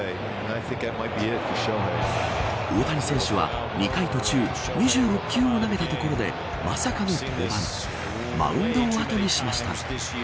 大谷選手は２回途中２６球を投げたところでまさかの降板マウンドを後にしました。